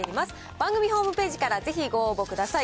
番組ホームページからぜひご応募ください。